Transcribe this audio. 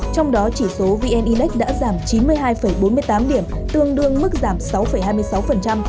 trong đó chỉ số vn index đã giảm chín mươi hai bốn mươi tám điểm tương đương mức giảm sáu hai mươi sáu